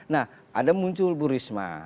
nah ada muncul bu risma